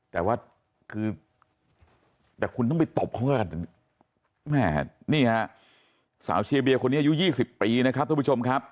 แต่ว่าคือแต่คุณต้องไปตบเขาแล้วกันแม่นี่ฮะสาวเชียร์เบียคนนี้อายุ๒๐ปีนะครับทุกผู้ชมครับ